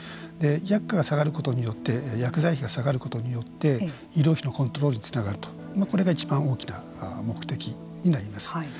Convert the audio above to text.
薬価が下がることによって薬剤費が下がることによって医療費のコントロールにつながるとこれがいちばん大きな目的になります。